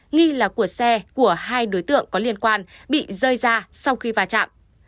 nghi là của xe của hai đối tượng có liên quan bị rơi ra sau khi va chạm